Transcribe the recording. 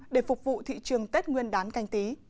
để phục vụ thị trường tết nguyên đán canh tí